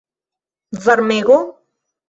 Varmego?